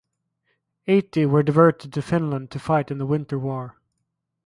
Eighty were diverted to Finland to fight in the Winter War.